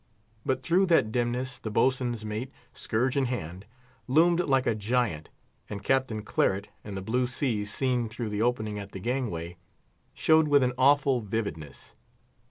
But through that dimness the boatswain's mate, scourge in hand, loomed like a giant, and Captain Claret, and the blue sea seen through the opening at the gangway, showed with an awful vividness.